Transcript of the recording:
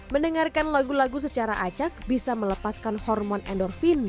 mendengarkan lagu lagu secara acak bisa melepaskan hormon endorfin